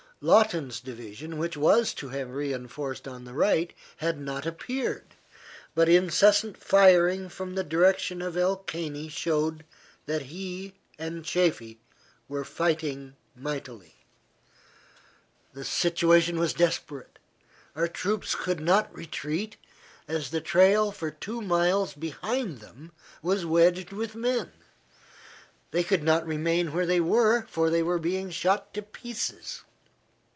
Lawton's division, which was to have re enforced on the right, had not appeared, but incessant firing from the direction of El Caney showed that he and Chaffee were fighting mightily. The situation was desperate. Our troops could not retreat, as the trail for two miles behind them was wedged with men. They could not remain where they were, for they were being shot to pieces.